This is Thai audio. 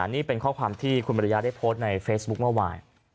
นี่เป็นข้อความที่คุณมาริยาได้โพสต์ในเฟซบุ๊คเมื่อวาน